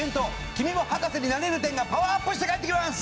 「君も博士になれる展」がパワーアップして帰ってきます！